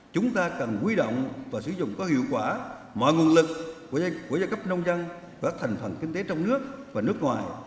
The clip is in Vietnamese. chúng ta cần quy động và sử dụng có hiệu quả mọi nguồn lực của giai cấp nông dân và thành phần kinh tế trong nước và nước ngoài